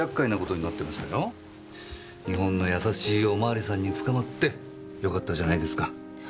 日本の優しいおまわりさんに捕まって良かったじゃないですか。